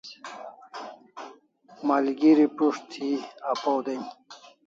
Malgeri prus't thi apaw den